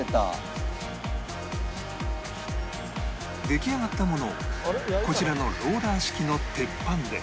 出来上がったものをこちらのローラー式の鉄板で